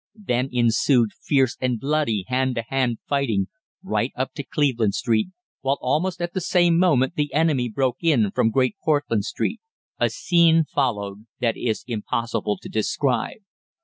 Then ensued fierce and bloody hand to hand fighting right up to Cleveland Street, while almost at the same moment the enemy broke in from Great Portland Street. "A scene followed that is impossible to describe.